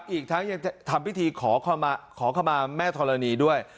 อีกทั้งยังทำพิธีขอขมาแม่ธรณีด้วย